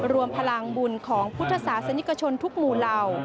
รวมพลังบุญของพุทธศาสนิกชนทุกหมู่เหล่า